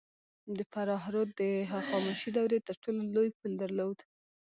د فراه رود د هخامنشي دورې تر ټولو لوی پل درلود